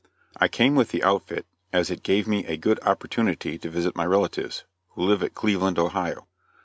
I came with the outfit, as it gave me a good opportunity to visit my relatives, who live at Cleveland, Ohio.